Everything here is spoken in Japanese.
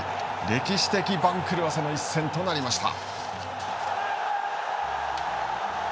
歴史的番狂わせの一戦となりました。